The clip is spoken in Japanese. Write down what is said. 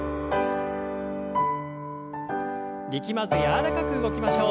力まず柔らかく動きましょう。